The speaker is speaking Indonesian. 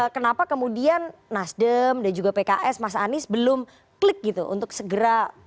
kenapa kemudian nasdem dan juga pks mas anies belum klik gitu untuk segera